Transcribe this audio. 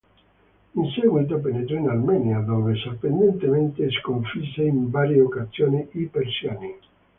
In seguito penetrò in Armenia dove sorprendentemente sconfisse in varie occasioni i Persiani.